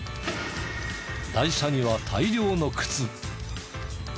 台車には大量の靴。